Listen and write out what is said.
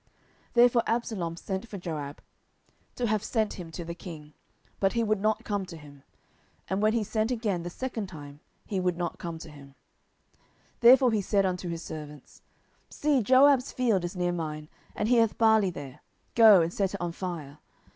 10:014:029 Therefore Absalom sent for Joab, to have sent him to the king; but he would not come to him: and when he sent again the second time, he would not come. 10:014:030 Therefore he said unto his servants, See, Joab's field is near mine, and he hath barley there; go and set it on fire.